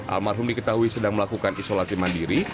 almarhumi ketahui sedang melakukan isolasi mandiri